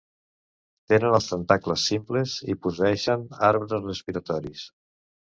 Tenen els tentacles simples i posseeixen arbres respiratoris.